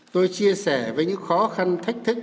tôi chia sẻ với những khó khăn thách thức